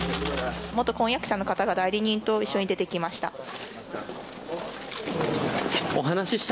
元婚約者の方が代理人と一緒に出てきました。